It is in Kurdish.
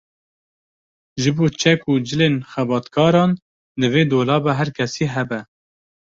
Ji bo çek û cilên xebatkaran divê dolaba her kesî hebe